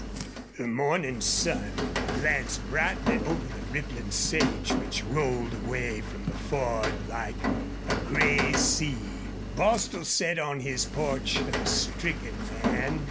The morning sun glanced brightly over the rippling sage which rolled away from the Ford like a gray sea. Bostil sat on his porch, a stricken man.